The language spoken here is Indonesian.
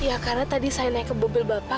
iya karena tadi saya naik ke mobil bapak